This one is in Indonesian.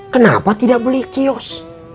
kenapa tidak beli kios